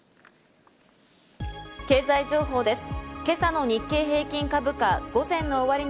経済情報です。